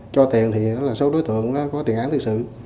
cho tiền thì đó là số đối tượng đó có tiền án lây sự